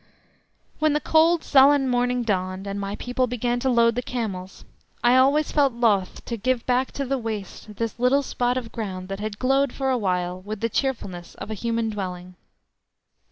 When the cold, sullen morning dawned, and my people began to load the camels, I always felt loth to give back to the waste this little spot of ground that had glowed for a while with the cheerfulness of a human dwelling.